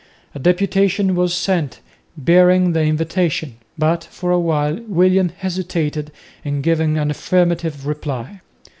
A deputation was sent, bearing the invitation; but for a while William hesitated in giving an affirmative reply.